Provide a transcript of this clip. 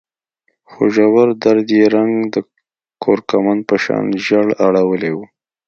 خو ژور درد يې رنګ د کورکمند په شان ژېړ اړولی و.